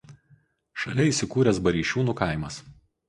Šalia įsikūręs Bareišiūnų kaimas.